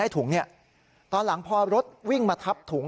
ถุงเนี่ยตอนหลังพอรถวิ่งมาทับถุง